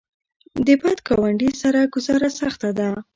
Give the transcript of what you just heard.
د بد ګاونډي سره ګذاره سخته ده.